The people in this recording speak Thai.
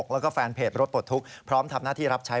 แล้วก็แฟนเพจรถปลดทุกข์พร้อมทำหน้าที่รับใช้